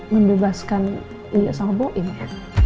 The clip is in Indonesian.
mendebaskan dia sama bu ini